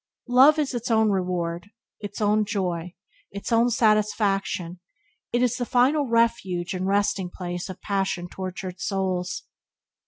Love is its own reward, its own joy, its own satisfaction; it is the final refuge and resting place of passion tortured souls.